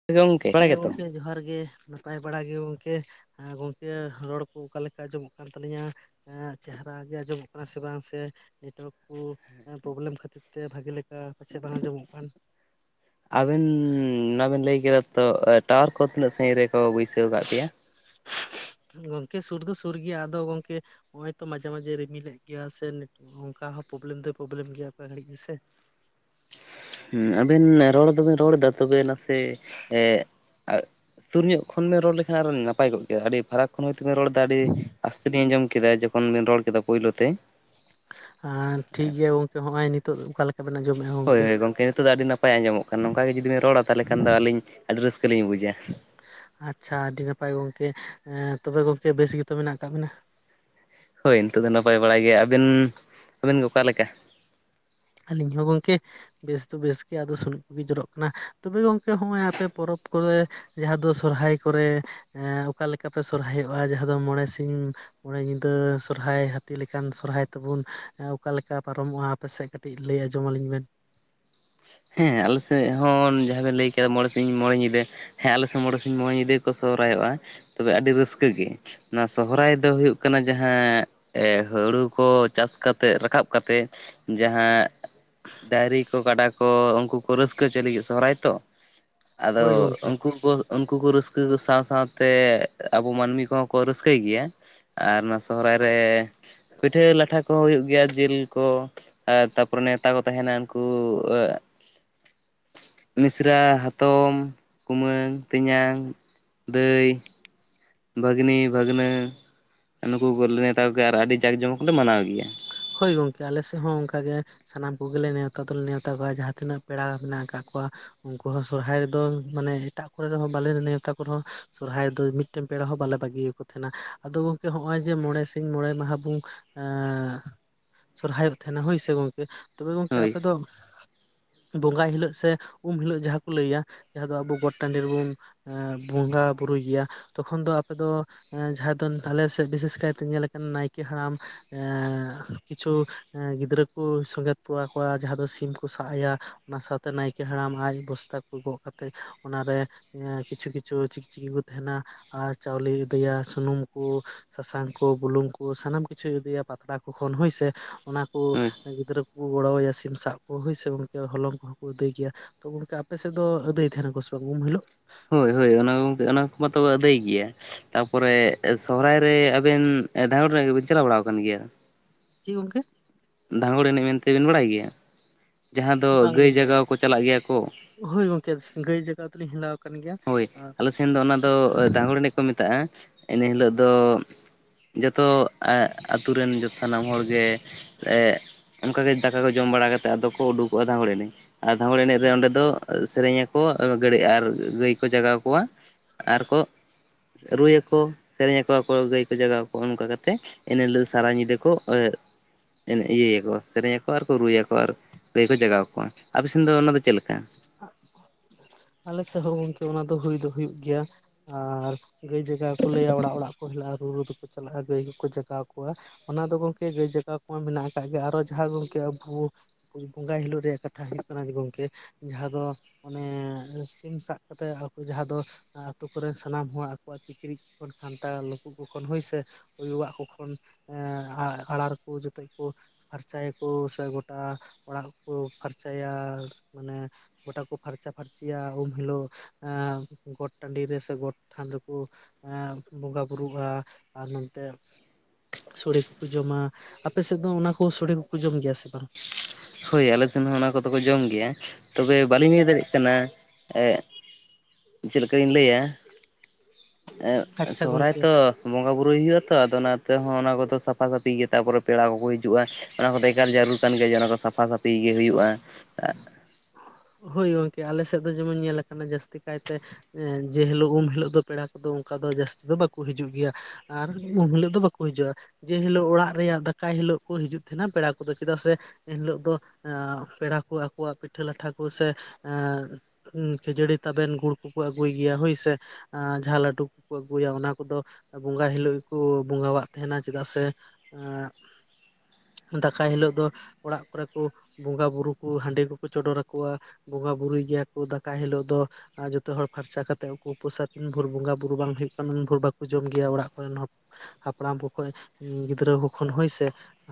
[inaudible] ᱦᱮᱸ ᱜᱚᱝᱠᱮ ᱡᱚᱦᱟᱨ ᱜᱮ ᱱᱟᱯᱟᱭ ᱵᱟᱲᱟ ᱜᱮ ᱜᱚᱝᱠᱮ ᱾ ᱦᱮᱸ ᱜᱚᱝᱠᱮ ᱨᱚᱲ ᱠᱚ ᱚᱠᱟ ᱞᱮᱠᱟ ᱟᱸᱡᱚᱢᱚᱜ ᱠᱟᱱ ᱛᱟᱞᱤᱧᱟ ᱾ ᱪᱮᱦᱨᱟᱜ ᱜᱮ ᱟᱸᱡᱚᱢᱚᱜ ᱠᱟᱱᱟ ᱥᱮ ᱵᱟᱝ ᱥᱮ? ᱱᱮᱴᱣᱟᱨᱠ ᱠᱚ ᱯᱨᱚᱵᱞᱮᱢ ᱠᱷᱟᱹᱛᱤᱨ ᱛᱮ ᱵᱷᱟᱜᱮ ᱞᱮᱠᱟ ᱯᱟᱪᱮᱜ ᱵᱟᱝ ᱟᱸᱡᱚᱢᱚᱜ ᱠᱟᱱ ᱾ ᱟᱵᱮᱱ ᱱᱚᱵᱮᱱ ᱞᱟᱹᱭ ᱠᱮᱠᱟ ᱛᱚ ᱴᱟᱣᱟᱨ ᱠᱚ ᱛᱤᱱᱟᱹᱜ ᱥᱟᱺᱜᱤᱧ ᱨᱮᱠᱚ ᱵᱟᱹᱭᱥᱟᱹᱣ ᱠᱟᱜ ᱯᱮᱭᱟ ᱾ ᱜᱚᱝᱠᱮ ᱥᱩᱨ ᱫᱚ ᱥᱩᱨ ᱜᱮᱭᱟ ᱟᱫᱚ ᱜᱚᱝᱠᱮ ᱚᱭᱼᱛᱚ ᱢᱟᱡᱮ ᱢᱟᱡᱮ ᱨᱤᱢᱤᱞᱮᱜ ᱜᱮᱭᱟ ᱥᱮ ᱚᱱᱠᱟ ᱦᱚᱸ ᱯᱨᱚᱵᱞᱮᱢ ᱫᱚᱭ ᱯᱨᱚᱵᱞᱮᱢ ᱜᱮᱭᱟ ᱚᱠᱟ ᱜᱷᱟᱹᱲᱤᱡ ᱜᱮᱥᱮ ᱾ ᱦᱩᱸ ᱟᱵᱤᱱ ᱨᱚᱲ ᱫᱚᱵᱮᱱ ᱨᱚᱲ ᱫᱟ ᱛᱚᱵᱮ ᱱᱟᱥᱮ ᱮ ᱛᱩᱨ ᱧᱚᱜ ᱠᱷᱚᱱᱵᱮ ᱨᱚᱲ ᱞᱮᱠᱷᱟᱱ ᱟᱨᱚ ᱱᱟᱯᱟᱭ ᱜᱚᱜ ᱠᱮᱭᱟ ᱟᱹᱰᱤ ᱯᱷᱟᱨᱟᱠ ᱾ ᱠᱷᱚᱱ ᱦᱚᱭᱛᱳ ᱵᱮᱱ ᱨᱚᱲᱫᱟ ᱟᱹᱰᱤ ᱟᱥᱛᱮ ᱞᱤᱧ ᱟᱸᱡᱚᱢ ᱠᱮᱫᱟ ᱡᱚᱠᱷᱚᱱ ᱵᱤᱱ ᱨᱚᱲ ᱠᱮᱫᱟ ᱯᱳᱭᱞᱳ ᱛᱮ ᱾ ᱴᱷᱤᱠ ᱜᱮᱭᱟ ᱜᱚᱝᱠᱮ ᱦᱚᱸᱜᱼᱚᱭ ᱱᱤᱛᱚᱜ ᱚᱠᱟ ᱞᱮᱠᱟ ᱾ ᱦᱳᱭ ᱦᱳᱭ ᱜᱚᱢᱠᱮ ᱱᱤᱛᱚᱜ ᱫᱚ ᱟᱹᱰᱤ ᱱᱟᱯᱟᱭ ᱟᱸᱡᱚᱢᱚᱜ ᱠᱟᱱᱟ ᱱᱚᱝᱠᱟ ᱜᱮ ᱡᱩᱫᱤ ᱵᱤᱱ ᱨᱚᱲᱟ ᱛᱟᱦᱚᱞᱮ ᱠᱷᱟᱱ ᱫᱚ ᱟᱹᱞᱤᱧ ᱟᱹᱰᱤ ᱨᱟᱹᱥᱠᱟᱹ ᱞᱤᱧ ᱵᱩᱡᱟ᱾ ᱟᱪᱪᱷᱟ ᱟᱹᱰᱤ ᱱᱟᱯᱟᱭ ᱜᱚᱝᱠᱮ ᱮᱸ ᱛᱚᱵᱮ ᱜᱚᱝᱠᱮ ᱵᱮᱥ ᱜᱮᱛᱚ ᱢᱮᱱᱟᱜ ᱠᱟᱜ ᱵᱮᱱᱟ? ᱦᱳᱭ ᱱᱤᱛᱚᱜ ᱫᱚ ᱱᱟᱯᱟᱭ ᱵᱟᱲᱟ ᱜᱮᱭᱟ ᱟᱹᱵᱤᱱ ᱟᱵᱤᱱ ᱜᱮ ᱚᱠᱟᱞᱮᱠᱟ? ᱟᱹᱞᱤᱧ ᱦᱚᱸ ᱜᱚᱝᱠᱮ ᱵᱮᱥ ᱫᱚ ᱵᱮᱥ ᱜᱮ ᱟᱫᱚ ᱥᱩᱱᱩᱡ ᱠᱚᱜᱮ ᱡᱚᱨᱚᱜ ᱠᱟᱱᱟ ᱛᱚᱵᱮ ᱜᱚᱝᱠᱮ ᱦᱚᱸᱜᱼᱚᱭ ᱟᱯᱮ ᱯᱚᱨᱚᱵᱽ ᱠᱚᱨᱮ ᱡᱟᱦᱟᱸ ᱫᱚ ᱥᱚᱨᱦᱟᱭ ᱠᱚᱨᱮ ᱚᱠᱟ ᱞᱮᱠᱟ ᱯᱮ ᱥᱚᱨᱦᱟᱭᱚᱜᱼᱟ ᱡᱟᱦᱟᱸ ᱫᱚ ᱢᱚᱬᱮ ᱥᱤᱧ ᱢᱚᱬᱮ ᱧᱤᱫᱟᱹ ᱥᱚᱨᱦᱟᱭ ᱦᱟᱹᱛᱤ ᱞᱮᱠᱟᱱ ᱥᱚᱨᱦᱟᱭ ᱛᱮᱵᱩᱱ ᱚᱠᱟᱞᱮᱠᱟ ᱯᱟᱨᱚᱢᱚᱜᱼᱟ ᱟᱯᱮ ᱥᱮᱫ ᱠᱟᱹ ᱠᱟᱹᱴᱤᱡ ᱞᱟᱹᱭ ᱟᱡᱚᱸᱢ ᱟᱹᱞᱤᱧ ᱵᱮᱱ᱾ ᱦᱮᱸ ᱟᱞᱮ ᱥᱮᱫ ᱦᱚᱸ ᱡᱟᱦᱟᱸ ᱵᱮᱱ ᱞᱟᱹᱭ ᱠᱮᱫᱟ ᱢᱚᱬᱮ ᱥᱤᱧ ᱢᱚᱬᱮ ᱧᱤᱫᱟᱹ ᱾ ᱦᱮᱸ ᱟᱞᱮ ᱥᱮᱫ ᱢᱚᱬᱮ ᱥᱤᱧ ᱢᱚᱬᱮ ᱧᱤᱫᱟᱹ ᱜᱮᱠᱚ ᱥᱚᱦᱚᱨᱟᱭᱚᱜᱼᱟ ᱛᱚᱵᱮ ᱟᱹᱰᱤ ᱨᱟᱹᱥᱠᱟᱹ ᱜᱮ᱾ ᱱᱚᱣᱟ ᱥᱚᱦᱚᱨᱟᱭ ᱫᱚ ᱦᱩᱭᱩᱜ ᱠᱟᱱᱟ ᱡᱟᱦᱟᱸ ᱮ ᱦᱩᱲᱩ ᱠᱚ ᱪᱟᱥ ᱠᱟᱛᱮᱫ ᱨᱟᱠᱟᱵ ᱠᱟᱛᱮᱜ ᱡᱟᱦᱟᱸ ᱰᱟᱭᱨᱤ ᱠᱚ ᱠᱟᱰᱟ ᱩᱱᱠᱩ ᱠᱚ ᱨᱟᱹᱥᱠᱟᱹ ᱪᱚᱭ ᱞᱟᱹᱜᱤᱫ ᱥᱚᱦᱨᱟᱭ ᱛᱚ ᱦᱳᱭ ᱟᱫᱚ ᱜᱚᱝᱠᱮ ᱩᱱᱠᱩ ᱠᱚ ᱩᱱᱠᱩ ᱠᱩ ᱨᱟᱹᱥᱠᱟᱹ ᱠᱚ ᱥᱟᱶ ᱥᱟᱶᱛᱮ ᱟᱵᱚ ᱢᱟᱹᱱᱢᱤ ᱠᱚᱦᱚᱸ ᱠᱚ ᱨᱟᱹᱥᱠᱟᱹᱭ ᱜᱮᱭᱟ᱾ ᱟᱨ ᱚᱱᱟ ᱥᱚᱦᱚᱨᱟᱭ ᱨᱮ ᱯᱤᱴᱷᱟᱹ ᱞᱟᱴᱷᱟ ᱠᱚᱦᱚᱸ ᱦᱩᱭᱩᱜ ᱜᱮᱭᱟ ᱡᱤᱞ ᱠᱚ ᱟᱨ ᱛᱟᱯᱚᱨᱮ ᱱᱮᱣᱛᱟ ᱠᱚ ᱛᱟᱦᱮᱸᱱᱟ ᱩᱱᱠᱩ ᱳ ᱟᱜ ᱢᱤᱥᱨᱟ, ᱦᱟᱛᱚᱢ, ᱠᱩᱢᱟᱹᱝ, ᱛᱮᱧᱟᱝ, ᱫᱟᱹᱭ᱾ ᱵᱷᱟᱹᱜᱽᱱᱤ, ᱵᱷᱟᱹᱜᱽᱱᱟᱹ ᱱᱩᱠᱩ ᱠᱚᱞᱮ ᱱᱮᱣᱛᱟ ᱠᱚ ᱜᱮᱭᱟ ᱟᱨ ᱟᱹᱰᱤ ᱡᱟᱸᱠ ᱡᱚᱢᱚᱠ ᱞᱮ ᱢᱟᱱᱟᱣ ᱜᱮᱭᱟ᱾ ᱦᱳᱭ ᱜᱚᱝᱠᱮ ᱟᱞᱮ ᱥᱮᱫ ᱦᱚᱸ ᱚᱝᱠᱟ ᱜᱮ᱾ ᱥᱟᱱᱟᱢ ᱠᱚᱜᱮᱞᱮ ᱱᱮᱣᱛᱟ ᱛᱚᱞᱮ ᱱᱮᱶᱛᱟ ᱠᱚᱣᱟ ᱡᱟᱦᱟᱸ ᱛᱤᱱᱟᱹᱜ ᱯᱮᱲᱟ ᱢᱮᱱᱟᱜ ᱠᱟᱫ ᱠᱚᱣᱟ᱾ ᱩᱱᱠᱩ ᱦᱚᱸ ᱥᱚᱨᱦᱟᱭ ᱨᱮᱫᱚ ᱢᱟᱱᱮ ᱦᱮᱴᱟᱜ ᱠᱚᱨᱮ ᱨᱮᱦᱚᱸ ᱵᱟᱞᱮ ᱱᱮᱶᱛᱟ ᱠᱚ ᱨᱮᱦᱚᱸ ᱥᱚᱨᱦᱟᱭ ᱨᱮᱫᱚ ᱢᱤᱫ ᱢᱤᱫᱴᱮᱱ ᱯᱮᱲᱟ ᱦᱚᱸ ᱵᱟᱞᱮ ᱵᱟᱹᱜᱤᱭᱟᱠᱚ ᱛᱟᱦᱮᱸᱱᱟ ᱟᱫᱚ ᱜᱚᱝᱠᱮ ᱦᱚᱜᱼᱚᱭ ᱡᱮ ᱢᱚᱬᱮ ᱥᱤᱧ ᱢᱚᱬᱮ ᱢᱟᱦᱟ ᱵᱩᱝ ᱮ ᱥᱚᱨᱦᱟᱭᱚᱜ ᱛᱟᱦᱮᱸᱱᱟ ᱦᱳᱭᱥᱮ ᱜᱚᱢᱠᱮ ᱛᱚᱵᱮ ᱜᱚᱢᱠᱮ ᱦᱳᱭ ᱟᱯᱮ ᱫᱚ ᱵᱚᱸᱜᱟᱭ ᱦᱤᱞᱳᱜ ᱥᱮ ᱩᱢ ᱦᱤᱞᱳᱜ ᱡᱟᱦᱟᱸ ᱠᱚ ᱞᱟᱹᱭᱟ ᱡᱟᱦᱟᱸ ᱫᱚ ᱟᱵᱚ ᱜᱚᱴ ᱴᱟᱺᱰᱤ ᱨᱮᱵᱚᱱ ᱵᱚᱸᱜᱟ ᱵᱩᱨᱩᱭ ᱜᱮᱭᱟ᱾ ᱛᱚᱠᱷᱚᱱ ᱫᱚ ᱟᱯᱮ ᱫᱚ ᱡᱟᱦᱟᱸ ᱫᱚ ᱟᱞᱮ ᱥᱮᱫ ᱵᱤᱥᱮᱥ ᱠᱟᱭᱛᱮ ᱧᱮᱞ ᱟᱠᱟᱱ ᱱᱟᱭᱠᱮ ᱦᱟᱲᱟᱢ ᱮᱸᱜ ᱠᱤᱪᱷᱩ ᱜᱤᱫᱽᱨᱟᱹ ᱠᱚ ᱥᱚᱝᱜᱮᱛ ᱠᱚᱣᱟ ᱠᱚᱣᱟ ᱡᱟᱦᱟᱸ ᱫᱚ ᱥᱤᱢ ᱠᱩ ᱥᱟᱜ ᱟᱭᱟ᱾ ᱚᱱᱟ ᱥᱟᱶᱛᱮ ᱱᱟᱭᱠᱮ ᱦᱟᱲᱟᱢ ᱟᱡ ᱵᱚᱥᱛᱟ ᱠᱚ ᱜᱚᱜ ᱠᱟᱛᱮᱫ ᱚᱱᱟᱨᱮ ᱠᱤᱪᱷᱩ ᱠᱤᱪᱷᱩ ᱪᱤᱠ ᱪᱤᱠᱤ ᱠᱚ ᱛᱟᱦᱮᱸᱱᱟ ᱟᱨ ᱪᱟᱣᱞᱮᱭ ᱟᱹᱫᱟᱹᱭᱟ ᱥᱩᱱᱩᱢ ᱠᱚ᱾ ᱥᱟᱥᱟᱝ ᱠᱚ ᱵᱩᱞᱩᱝ ᱠᱚ ᱥᱟᱱᱟᱢ ᱠᱤᱪᱷᱩᱭ ᱟᱹᱫᱟᱹᱭᱟ ᱯᱟᱛᱲᱟ ᱠᱚ ᱠᱷᱚᱱ ᱦᱳᱭᱥᱮ ᱚᱱᱟ ᱠᱚ ᱦᱳᱭ ᱜᱤᱫᱽᱨᱟᱹ ᱠᱚᱠᱚ ᱜᱚᱲᱚ ᱟᱭᱟ ᱥᱤᱢ ᱥᱟᱵ ᱠᱚ ᱦᱳᱭ ᱥᱮ ᱜᱚᱝᱠᱮ ᱦᱚᱞᱚᱝ ᱠᱚᱦᱚᱸ ᱠᱚ ᱟᱹᱫᱟᱹᱭ ᱜᱮᱭᱟ᱾ ᱛᱚ ᱜᱚᱝᱠᱮ ᱟᱯᱮ ᱥᱮᱫ ᱫᱚ ᱟᱹᱫᱟᱹᱭ ᱛᱟᱦᱮᱱᱟᱠᱚ ᱥᱮ ᱵᱟᱝ ᱩᱢ ᱦᱤᱞᱳᱜ? ᱦᱳᱭ ᱦᱳᱭ ᱚᱱᱟ ᱜᱚᱝᱠᱮ ᱚᱱᱟ ᱠᱚ ᱢᱟᱛᱚ ᱟᱹᱫᱟᱹᱭ ᱜᱮᱭᱟ᱾ ᱛᱟᱯᱚᱨᱮ ᱥᱚᱦᱚᱨᱟᱭ ᱨᱮ ᱟᱵᱮᱱ ᱫᱷᱟᱣᱩᱲ ᱨᱟᱜᱤ ᱵᱮᱱ ᱪᱟᱞᱟᱣ ᱵᱟᱲᱟ ᱟᱠᱟᱱ ᱜᱮᱭᱟ? ᱪᱤᱫ ᱜᱚᱝᱠᱮ? ᱫᱷᱟᱸᱜᱚᱲ ᱮᱱᱮᱡ ᱢᱮᱱᱛᱮ ᱵᱮᱱ ᱵᱟᱲᱟᱭ ᱜᱮᱭᱟ ᱡᱟᱦᱟᱸ ᱫᱚ ᱵᱟᱝ ᱜᱟᱹᱭ ᱜᱚᱝᱠᱮ ᱡᱟᱜᱟᱣ ᱠᱚ ᱪᱟᱞᱟᱜ ᱜᱮᱭᱟ ᱠᱚ᱾ ᱦᱳᱭ ᱜᱚᱝᱠᱮ ᱜᱟᱹᱭ ᱡᱟᱜᱟᱣ ᱫᱚᱞᱤᱧ ᱦᱮᱞᱟᱣ ᱟᱠᱟᱱ ᱜᱮᱭᱟ ᱦᱳᱭ ᱟᱨ ᱟᱞᱮ ᱥᱮᱱ ᱫᱚ ᱚᱱᱟ ᱫᱚ ᱫᱟᱸᱜᱚᱲ ᱮᱱᱮᱡ ᱠᱚ ᱢᱮᱛᱟᱜᱼᱟ ᱮᱱᱮ ᱦᱤᱞᱳᱜ ᱫᱚ ᱡᱚᱛᱚ ᱟᱛᱩ ᱨᱮᱱ ᱥᱟᱱᱟᱢ ᱦᱚᱲᱜᱮ᱾ ᱚᱱᱠᱟᱜᱮ ᱫᱟᱠᱟ ᱠᱚ ᱡᱚᱢ ᱵᱟᱲᱟ ᱠᱟᱛᱮᱫ ᱟᱫᱚ ᱠᱚ ᱩᱰᱩᱠᱚᱜᱼᱟ ᱫᱷᱟᱸᱜᱚᱲ ᱮᱱᱮᱡ᱾ ᱟᱨ ᱫᱷᱟᱸᱜᱚᱲ ᱮᱱᱮᱡ ᱨᱮ ᱚᱸᱰᱮ ᱫᱚ ᱥᱮᱨᱮᱧ ᱟᱠᱚ ᱜᱟᱹᱲ ᱟᱨ ᱜᱟᱹᱭ ᱠᱚ ᱡᱟᱜᱟᱣ ᱠᱚᱣᱟ᱾ ᱟᱨᱠᱚ ᱨᱩᱭᱟᱠᱚ ᱥᱮᱨᱮᱧ ᱟᱠᱚ ᱟᱠᱚ ᱜᱟᱹᱭ ᱠᱚ ᱡᱟᱜᱟᱣ ᱠᱚᱣᱟ ᱚᱱᱠᱟ ᱠᱟᱛᱮᱫ᱾ ᱮᱱᱦᱤᱞᱳᱜ ᱥᱟᱨᱟ ᱧᱤᱫᱟᱹ ᱠᱚ ᱤᱭᱟᱹᱭᱟᱠᱚ ᱥᱮᱨᱮᱧ ᱟᱠᱚ ᱟᱨᱠᱚ ᱨᱩᱭᱟᱠᱚ ᱟᱨ ᱜᱟᱹᱭ ᱠᱚ ᱡᱟᱜᱟᱣ ᱠᱚᱣᱟ ᱟᱯᱮ ᱥᱮᱱ ᱫᱚ ᱚᱱᱟᱫᱚ ᱪᱮᱫ ᱞᱮᱠᱟ? ᱟᱞᱮ ᱥᱮᱫ ᱦᱚᱸ ᱜᱚᱝᱠᱮ ᱚᱱᱟ ᱫᱚ ᱦᱩᱭ ᱫᱚ ᱦᱩᱭᱩᱜ ᱜᱮᱭᱟ᱾ ᱟᱨ ᱜᱟᱹᱭ ᱡᱟᱜᱟᱣ ᱠᱚ ᱞᱟᱹᱭᱟ ᱚᱲᱟᱜ ᱚᱲᱟᱜ ᱠᱚ ᱦᱮᱞᱟᱜᱼᱟ ᱨᱩ ᱨᱩ ᱛᱮᱠᱚ ᱪᱟᱞᱟᱜᱼᱟ ᱜᱟᱹᱭ ᱠᱚᱠᱚ ᱡᱟᱜᱟᱣ ᱠᱚᱣᱟ᱾ ᱚᱱᱟ ᱫᱚ ᱜᱚᱢᱠᱮ ᱜᱟᱹᱭ ᱡᱟᱜᱟᱣ ᱠᱚᱢᱟ ᱢᱮᱱᱟᱜ ᱟᱠᱟᱫ ᱜᱮᱭᱟ ᱟᱨᱚ ᱡᱟᱦᱟᱸ ᱫᱚ ᱜᱚᱝᱠᱮ ᱟᱵᱚ ᱵᱚᱸᱜᱟᱭ ᱦᱤᱞᱳᱜ ᱨᱮᱭᱟᱜ ᱠᱟᱛᱷᱟ ᱦᱩᱭᱩᱜ ᱠᱟᱱᱟ ᱡᱮ ᱜᱚᱝᱠᱮ ᱡᱟᱦᱟᱸ ᱫᱚ ᱚᱱᱮ ᱥᱤᱢ ᱥᱟᱵᱽ ᱠᱟᱛᱮᱜ ᱟᱠᱚ ᱡᱟᱦᱟᱸ ᱫᱚ ᱟᱛᱳ ᱠᱚᱨᱮᱱ ᱥᱟᱱᱟᱢ ᱦᱚᱲ ᱟᱠᱚᱣᱟᱜ ᱠᱤᱪᱨᱤᱡᱽ ᱠᱷᱟᱱᱛᱟ ᱞᱮᱠᱩ ᱠᱚ ᱠᱷᱚᱱ ᱦᱳᱭᱥᱮ᱾ ᱩᱭᱩᱣᱟᱜ ᱠᱚ ᱠᱷᱚᱱ ᱮ ᱟᱲᱟᱨ ᱠᱚ ᱡᱚᱛᱚ ᱠᱚ ᱯᱷᱟᱨᱪᱟᱭᱟ ᱠᱚ ᱥᱮ ᱜᱚᱴᱟ ᱚᱲᱟᱜ ᱠᱚ ᱯᱷᱟᱨᱪᱟᱭᱟ ᱢᱟᱱᱮ ᱜᱚᱴᱟ ᱠᱚ ᱯᱷᱟᱨᱪᱟᱼᱯᱷᱟᱨᱪᱤᱭᱟ ᱩᱢ ᱦᱤᱞᱳᱜ ᱜᱚᱴ ᱴᱟᱺᱰᱤ ᱨᱮ ᱥᱮ ᱜᱚᱴ ᱛᱷᱟᱱ ᱨᱮᱠᱚ ᱮᱸᱜ ᱵᱚᱸᱜᱟ ᱵᱩᱨᱩ ᱟᱨ ᱱᱚᱱᱛᱮ ᱥᱚᱲᱮ ᱠᱚᱠᱚ ᱡᱚᱢᱟ᱾ ᱟᱯᱮ ᱥᱮᱫ ᱫᱚ ᱚᱱᱟ ᱠᱚ ᱥᱚᱲᱮ ᱠᱚᱠᱚ ᱡᱚᱢ ᱜᱮᱭᱟ ᱥᱮ ᱵᱟᱝ? ᱦᱳᱭ ᱟᱞᱮ ᱥᱮᱱ ᱦᱚᱸ ᱚᱱᱟ ᱠᱚᱫᱚ ᱠᱚ ᱡᱚᱢ ᱜᱮᱭᱟ᱾ ᱛᱚᱵᱮ ᱵᱟᱹᱞᱤᱧ ᱞᱟᱹᱭ ᱫᱟᱲᱮᱜ ᱠᱟᱱᱟ ᱮᱜ ᱪᱮᱫ ᱞᱮᱠᱟᱧ ᱞᱟᱹᱭᱟ ᱟᱪᱪᱷᱟ ᱥᱚᱦᱚᱨᱟᱭ ᱜᱚᱝᱠᱮ ᱛᱚ ᱵᱚᱸᱜᱟ ᱵᱩᱨᱩᱭ ᱦᱩᱭᱩᱜᱼᱟ ᱛᱚ᱾ ᱟᱫᱚ ᱚᱱᱟᱛᱮ ᱦᱚᱸ ᱚᱱᱟ ᱠᱚᱫᱚ ᱥᱟᱯᱷᱟ ᱥᱟᱹᱯᱷᱤ ᱜᱮ ᱛᱟᱯᱚᱨᱮ ᱯᱮᱲᱟ ᱠᱚᱠᱚ ᱦᱤᱡᱩᱜᱼᱟ᱾ ᱚᱱᱟ ᱠᱚᱫᱚ ᱮᱠᱟᱞ ᱡᱟᱹᱨᱩᱲ ᱠᱟᱱ ᱜᱮᱭᱟ᱾ ᱡᱮ ᱚᱱᱟ ᱠᱚ ᱥᱟᱯᱷᱟ ᱥᱟᱹᱯᱷᱤᱭ ᱜᱮ ᱦᱩᱭᱩᱜᱼᱟ᱾ ᱦᱳᱭ ᱜᱚᱝᱠᱮ ᱟᱞᱮ ᱥᱮᱫ ᱫᱚ ᱡᱮᱢᱚᱱ ᱧᱮᱞ ᱟᱠᱟᱱᱟ ᱡᱟᱹᱥᱛᱤ ᱠᱟᱭᱛᱮ ᱡᱮ ᱦᱤᱞᱳᱜ ᱩᱢ ᱦᱤᱞᱳᱜ ᱫᱚ ᱯᱮᱲᱟ ᱠᱚᱫᱚ ᱚᱱᱠᱟ ᱫᱚ ᱡᱟᱹᱥᱛᱤ ᱫᱚ ᱵᱟᱠᱚ ᱦᱤᱡᱩᱜ ᱜᱮᱭᱟ᱾ ᱟᱨ ᱩᱱ ᱦᱤᱞᱳᱜ ᱫᱚ ᱵᱟᱠᱚ ᱦᱤᱡᱩᱜᱼᱟ᱾ ᱡᱮ ᱦᱤᱞᱳᱜ ᱚᱲᱟᱜ ᱨᱮᱭᱟᱜ ᱫᱟᱠᱟᱭ ᱦᱤᱞᱳᱜ ᱠᱚ ᱦᱤᱡᱩᱜ ᱛᱟᱦᱮᱱᱟ ᱯᱮᱲᱟ ᱠᱚᱫᱚ᱾ ᱪᱮᱫᱟᱜ ᱥᱮ ᱮᱱᱦᱤᱞᱳᱜ ᱫᱚ ᱯᱮᱲᱟ ᱠᱚ ᱟᱠᱚᱣᱟᱜ ᱯᱤᱴᱷᱟᱹ ᱞᱟᱴᱷᱟ ᱠᱚ ᱥᱮ ᱠᱷᱟᱹᱡᱟᱹᱲᱤ ᱛᱟᱵᱮᱱ ᱜᱩᱲ ᱠᱚᱠᱚ ᱟᱹᱜᱩᱭ ᱜᱮᱭᱟ ᱦᱳᱭᱥᱮ᱾ ᱟᱨ ᱡᱟᱦᱟᱸ ᱞᱟᱹᱰᱩ ᱠᱚᱠᱚ ᱟᱹᱜᱩᱭᱟ ᱚᱱᱟ ᱠᱚᱫᱚ ᱵᱚᱸᱜᱟᱭ ᱦᱤᱞᱳᱜ ᱜᱮᱠᱚ ᱵᱚᱸᱜᱟᱣᱟᱜ ᱛᱟᱦᱮᱱᱟ᱾ ᱪᱮᱫᱟᱜ ᱥᱮ ᱮᱜ ᱫᱟᱠᱟᱭ ᱦᱤᱞᱳᱜ ᱫᱚ ᱚᱲᱟᱜ ᱠᱚᱨᱮ ᱠᱚ ᱵᱚᱸᱜᱟ ᱵᱩᱨᱩ ᱠᱚ ᱦᱟᱺᱰᱤ ᱠᱚᱠᱚ ᱪᱚᱰᱚᱨ ᱟᱠᱚᱣᱟ᱾ ᱵᱚᱸᱜᱟ ᱵᱩᱨᱩᱭ ᱜᱮᱭᱟ ᱠᱚ ᱫᱟᱠᱟᱭ ᱦᱤᱞᱳᱜ ᱫᱚ᱾ ᱟᱨ ᱡᱷᱚᱛᱚ ᱦᱚᱲ ᱯᱷᱟᱨᱪᱟ ᱠᱟᱛᱮᱫ ᱠᱚ ᱩᱯᱟᱹᱥᱟ ᱛᱤᱱ ᱵᱷᱳᱨ ᱵᱚᱸᱜᱟ ᱵᱩᱨᱩ ᱵᱟᱝ ᱦᱩᱭᱩᱜ ᱠᱟᱱᱟ ᱩᱱ ᱵᱷᱳᱨ ᱵᱟᱠᱚ ᱡᱚᱢ ᱜᱮᱭᱟ ᱚᱲᱟᱜ ᱠᱚᱨᱮᱱ ᱦᱚᱲ᱾ ᱦᱟᱯᱲᱟᱢ ᱠᱚᱠᱚ ᱜᱤᱫᱽᱨᱟᱹ ᱠᱚ ᱠᱷᱚᱱ ᱦᱳᱭ ᱥᱮ